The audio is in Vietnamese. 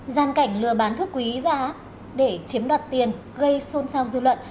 gian cảnh lừa bán thuốc quý giá để chiếm đoạt tiền gây xôn xao dư luận